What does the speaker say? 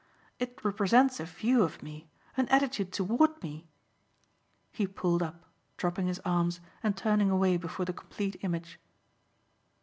It represents a view of me, an attitude toward me !" He pulled up, dropping his arms and turning away before the complete image.